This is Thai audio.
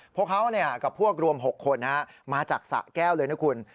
พวกเขากับพวกรวม๖คนมาจากสะแก้วเลยนะคุณ